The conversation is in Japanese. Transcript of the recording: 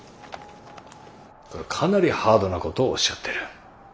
かなりハードなことをおっしゃってる。